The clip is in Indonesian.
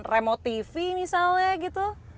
remo tv misalnya gitu